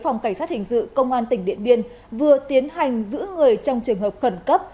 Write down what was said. phòng cảnh sát hình sự công an tỉnh điện biên vừa tiến hành giữ người trong trường hợp khẩn cấp